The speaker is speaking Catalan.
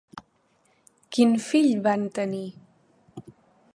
Quin fill van tenir?